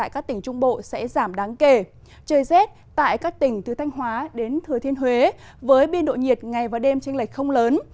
các tỉnh từ thanh hóa đến thừa thiên huế với biên độ nhiệt ngày và đêm tranh lệch không lớn